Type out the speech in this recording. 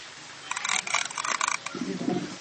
足球是日本最热门的运动之一。